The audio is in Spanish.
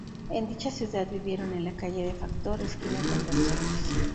En dicha ciudad vivieron en la calle de Factor esquina con Donceles.